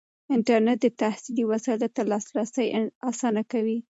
انټرنیټ د تحصیلي وسایلو ته لاسرسی اسانه کوي.